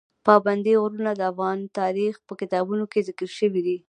پابندي غرونه د افغان تاریخ په کتابونو کې ذکر شوي دي.